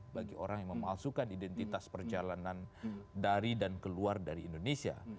bagi orang yang memalsukan identitas perjalanan dari dan keluar dari indonesia